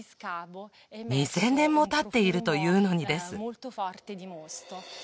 ２０００年もたっているというのにです